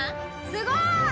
すごーい！